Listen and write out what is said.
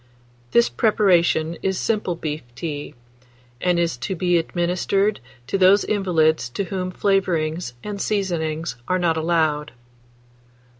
This preparation is simple beef tea, and is to be administered to those invalids to whom flavourings and seasonings are not allowed.